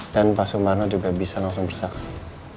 dan pak sumarno juga bisa langsung bersaksi